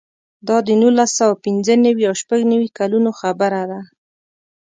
دا د نولس سوه پنځه نوي او شپږ نوي کلونو خبره ده.